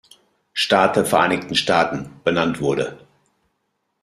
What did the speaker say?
Staat der Vereinigten Staaten, benannt wurde.